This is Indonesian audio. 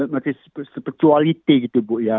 masih spirituality gitu bu ya